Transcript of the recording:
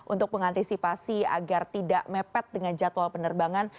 untuk mengantisipasi agar tidak mepet dengan jadwal penerbangan